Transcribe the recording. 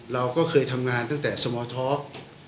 เราก็เคยทำงานตั้งแต่สมาท็อก